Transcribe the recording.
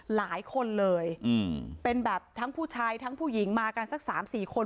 หลายคนเลยเป็นแบบทั้งผู้ชายทั้งผู้หญิงมากันสัก๓๔คน